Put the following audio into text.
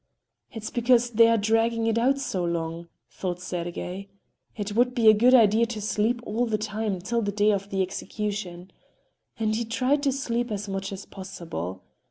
"It's because they are dragging it out so long," thought Sergey. "It would be a good idea to sleep all the time till the day of the execution," and he tried to sleep as much as possible.